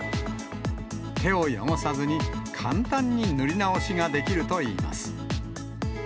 手を汚さずに、簡単に塗り直しができるといいます。